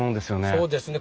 そうですね。